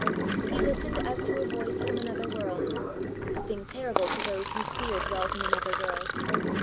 He listened as to a voice from another world a thing terrible to those whose fear dwells in another world.